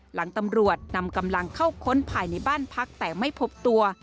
หลังตำรวจนำกำลังเข้าค้นภายในบ้านพักแต่ไม่พบตัว